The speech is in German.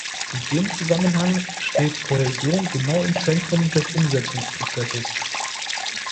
In dem Zusammenhang steht Kohäsion genau im Zentrum des Umsetzungsprozesses.